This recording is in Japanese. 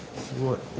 すごい。